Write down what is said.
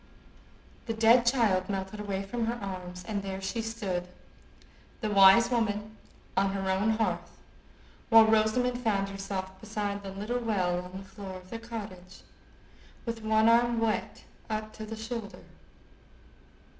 The dead child melted away from her arms, and there she stood, the wise woman, on her own hearth, while Rosamond found herself beside the little well on the floor of the cottage, with one arm wet up to the shoulder.